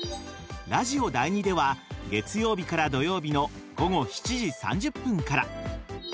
ラジオ第２では月曜日から土曜日の午後７時３０分から。